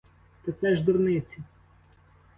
Та це ж дурниці.